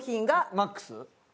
マックス。